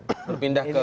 tapi berpindah ke